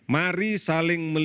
mari saling melihat